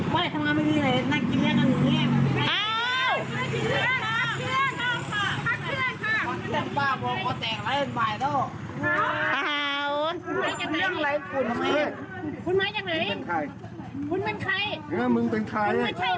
แต่คุณนั่นเนี่ย